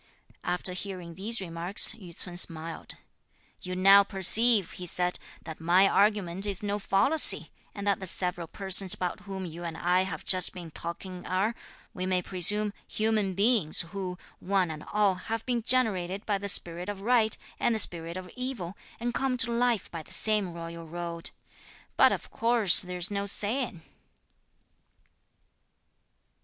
After hearing these remarks Yü ts'un smiled. "You now perceive," he said, "that my argument is no fallacy, and that the several persons about whom you and I have just been talking are, we may presume, human beings, who, one and all, have been generated by the spirit of right, and the spirit of evil, and come to life by the same royal road; but of course there's no saying."